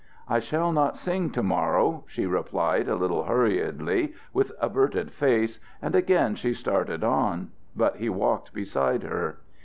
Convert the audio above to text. "I shall not sing to morrow," she replied a little hurriedly, with averted face, and again she started on. But he walked beside her.